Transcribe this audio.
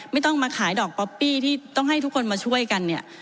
ไม่ต้องมาขายดอกป๊อปปี้ที่ต้องให้ทุกคนมาช่วยกันเนี่ย